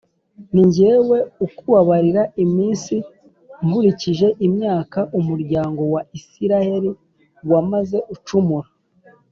Ni jyewe ukubarira iminsi nkurikije imyaka umuryango wa Israheli wamaze ucumura